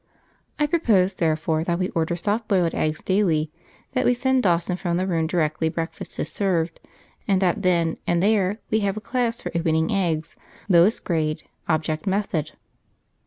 I propose, therefore, that we order soft boiled eggs daily; that we send Dawson from the room directly breakfast is served; and that then and there we have a class for opening eggs, lowest grade, object method.